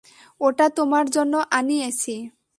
ওটা তোমার জন্য আনিয়েছি।